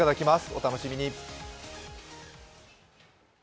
お楽しみに。